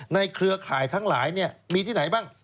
เครือข่ายทั้งหลายมีที่ไหนบ้าง